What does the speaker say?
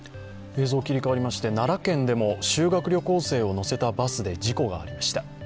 映像切り替わりまして、奈良県でも修学旅行生を乗せたバスで事故がありました。